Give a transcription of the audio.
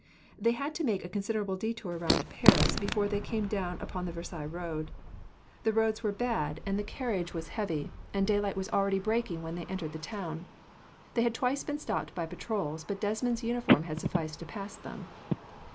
They had to make a considerable detour round Paris, before they came down upon the Versailles road. The roads were bad and the carriage was heavy, and daylight was already breaking when they entered the town. They had twice been stopped by patrols, but Desmond's uniform had sufficed to pass them.